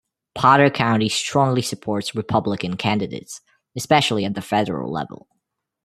Potter County strongly supports Republican candidates, especially at the federal level.